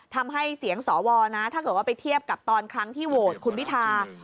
ทำให้เสียงสวนะถ้าเกิดว่าไปเทียบกับตอนครั้งที่โหวตคุณพิธา